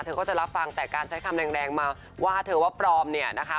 เธอก็จะรับฟังแต่การใช้คำแรงมาว่าเธอว่าปลอมเนี่ยนะคะ